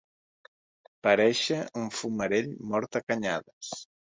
Parèixer un fumarell mort a canyades.